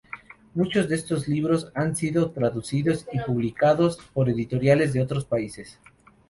Muchos de estos libros han sido traducidos y publicados por editoriales de otros países.